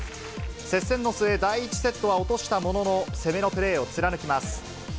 接戦の末、第１セットは落としたものの、攻めのプレーを貫きます。